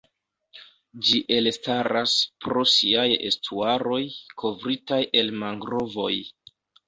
Ĝi elstaras pro siaj estuaroj kovritaj el mangrovoj.